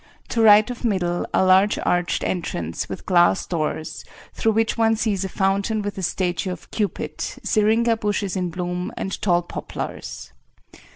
To right of middle a large arched entrance with glass doors through which one sees a fountain with a statue of Cupid, syringa bushes in bloom and tall poplars.